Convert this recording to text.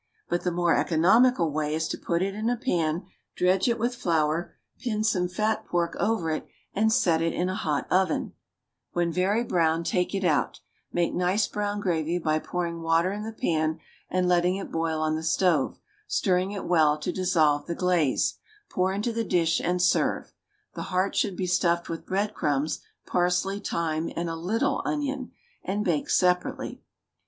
But the more economical way is to put it in a pan, dredge it with flour, pin some fat pork over it, and set it in a hot oven; when very brown take it out; make nice brown gravy by pouring water in the pan and letting it boil on the stove, stirring it well to dissolve the glaze; pour into the dish, and serve. The heart should be stuffed with bread crumbs, parsley, thyme, and a little onion, and baked separately.